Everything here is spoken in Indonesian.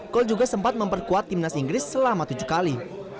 cole juga sempat memperkuat timnas inggris selama tujuh kali